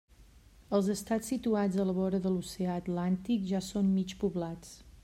Els estats situats a la vora de l'oceà Atlàntic ja són mig poblats.